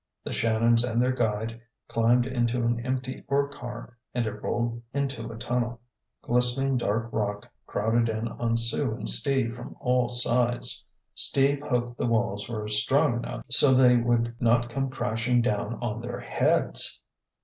The Shannons and their guide climbed into an empty ore car and it rolled into a tunnel. Glistening dark rock crowded in on Sue and Steve from all sides. Steve hoped the walls were strong enough so they would not come crashing down on their heads!